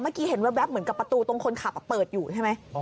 เมื่อกี้เห็นแว๊บเหมือนกับประตูตรงคนขับเปิดอยู่ใช่ไหม